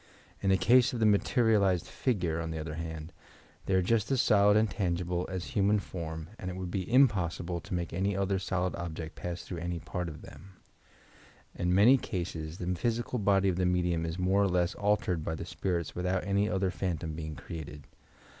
In the case of the materialized figure, on the other hand, they are just as solid and tangible as any human form and it would be impossible to make any other solid object pass through any part of them. In many cases the physical body of the medium is more or less altered by the spirits without any other phantom being created.